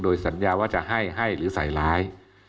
โดยศัลย์จะให้หรือใส่ไลน์